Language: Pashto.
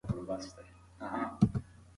که پلور کم شي نو ستونزه رامنځته کیږي.